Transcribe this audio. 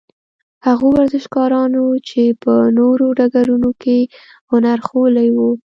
هغو ورزشکارانو چې په نورو ډګرونو کې هنر ښوولی وو.